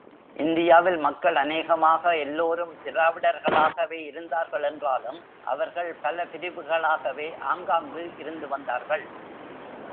இந்தியாவில் மக்கள் அநேகமாக எல்லோரும் திராவிடர்களாகவே இருந்தார்கள் என்றாலும், அவர்கள் பல பிரிவுகளாகவே ஆங்காங்கு இருந்து வந்தார்கள்.